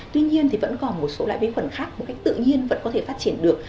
tuy nhiên thì vẫn còn một số loại bí khuẩn khác một cách tự nhiên vẫn có thể phát triển được